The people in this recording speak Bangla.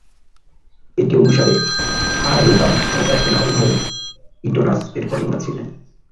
এটি অনুসারে, আয়োডাম ও এথেনা উভয়ই ইটোনাস এর কন্যা ছিলেন।